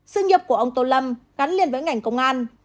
sự nghiệp của ông tô lâm gắn liền với ngành công an